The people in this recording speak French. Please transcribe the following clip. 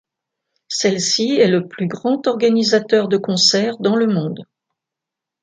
Celle-ci est le plus grand organisateur de concerts dans le monde.